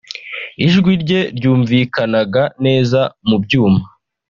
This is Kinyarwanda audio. ijwi rye ryumvikanaga neza mu byuma